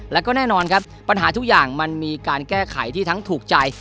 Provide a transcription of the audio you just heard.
แล้วก็แน่นอนครับปัญหาทุกอย่างมันมีการแก้ไขที่ทั้งถูกใจ